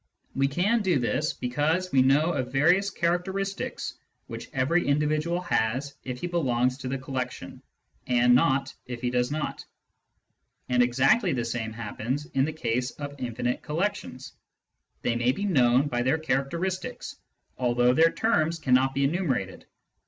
We can do this because we know of various characteristics which every individual has if he belongs to the collection, and not if he does not. And exactly the same happens in the case of infinite collections : they may be known by their characteristics although their terms cannot be enumerated.